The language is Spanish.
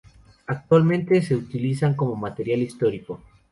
Actualmente se utilizan como material histórico.